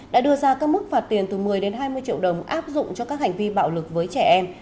đã đưa ra các mức phạt tiền từ một mươi đến hai mươi triệu đồng áp dụng cho các hành vi bạo lực với trẻ em